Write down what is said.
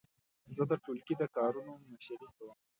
زه د ټولګي د کارونو مشري کوم.